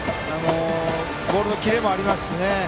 ボールのキレもありますし